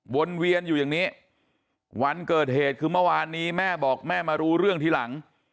วนเวียนอยู่อย่างนี้วันเกิดเหตุคือเมื่อวานนี้แม่บอกแม่มารู้เรื่องทีหลัง